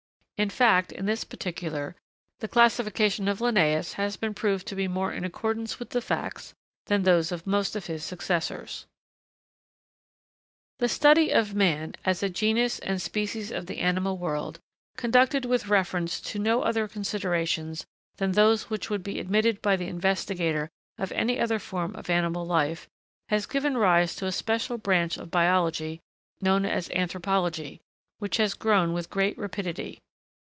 In fact, in this particular, the classification of Linnæus has been proved to be more in accordance with the facts than those of most of his successors. [Sidenote: Anthropology.] The study of man, as a genus and species of the animal world, conducted with reference to no other considerations than those which would be admitted by the investigator of any other form of animal life, has given rise to a special branch of biology, known, as Anthropology, which has grown with great rapidity.